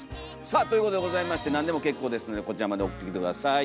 さあということでございまして何でも結構ですのでこちらまで送ってきて下さい。